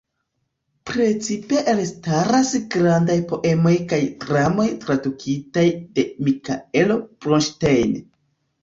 Precipe elstaras grandaj poemoj kaj dramoj tradukitaj de Mikaelo Bronŝtejn.